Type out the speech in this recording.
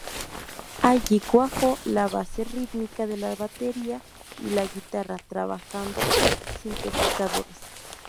Allí cuajó la base rítmica de la batería y la guitarra, trabajando con sintetizadores.